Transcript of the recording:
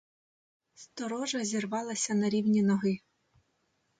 Сторожа зірвалася на рівні ноги.